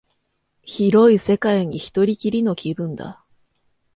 広い世界に一人きりの気分だ